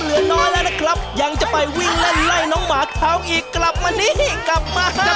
๓นาทีแล้วนะครับ๓นาทีตอนนี้ได้๓๐ใบค่ะพี่ลิงมาแล้ว